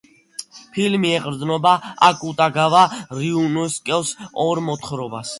ფილმი ეყრდნობა აკუტაგავა რიუნოსკეს ორ მოთხრობას.